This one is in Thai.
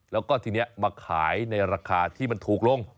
แล้วก็ทีนี้มาขายในราคาที่มันถูกลง